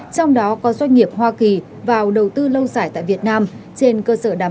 trong đó có doanh nghiệp hoa kỳ vào đầu tư lâu dài tại việt nam